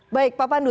baik pak pandu